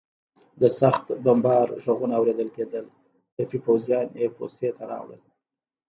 د سخت بمبار غږونه اورېدل کېدل، ټپي پوځیان یې پوستې ته راوړل.